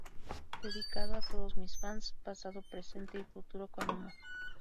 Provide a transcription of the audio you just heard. Dedicado a todos mis fans, pasado, presente y futuro, con amor.